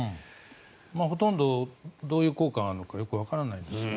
ほとんどどういう効果があるのかよくわからないですね。